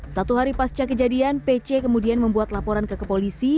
satu hari pasca kejadian pc kemudian membuat laporan ke kepolisian